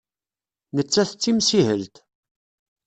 Nettat d timsihelt.